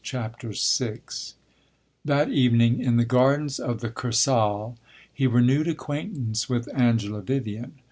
CHAPTER VI That evening, in the gardens of the Kursaal, he renewed acquaintance with Angela Vivian.